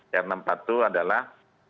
ir enam puluh empat itu adalah